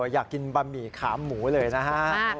อยากกินบะหมี่ขามหมูเลยนะฮะ